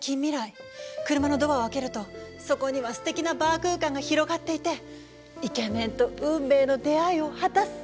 車のドアを開けるとそこにはすてきなバー空間が広がっていてイケメンと運命の出会いを果たす！